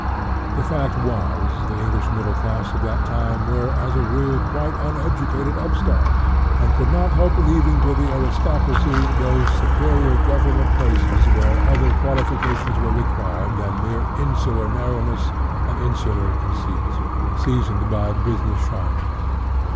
The fact was, the English middle class of that time were, as a rule, quite uneducated up starts, and could not help leaving to the aris tocracy those superior Government places where INTRODUCTION 39 other qualifications were required than mere in sular narrowness and insular conceit, seasoned by business sharpness.